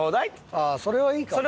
ああそれはいいかもね。